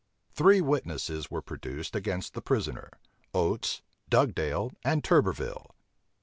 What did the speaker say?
Three witnesses were produced against the prisoner; Oates, Dugdale, and Turberville.